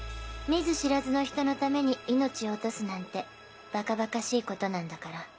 見ず知らずの人のために命を落とすなんてバカバカしいことなんだから。